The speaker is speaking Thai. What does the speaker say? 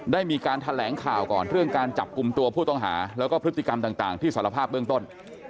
ได้มีการแถลงข่าวก่อนเรื่องการจับกลุ่มตัวผู้ต้องหาแล้วก็พฤติกรรมต่างที่สารภาพเบื้องต้น